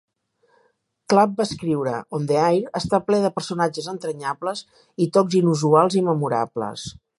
Club va escriure: "On the Air" està ple de personatges entranyables i tocs inusuals i memorables.